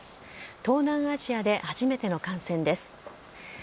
東南アジアで初めての感染です。